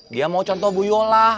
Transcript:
dia mau contoh bu yola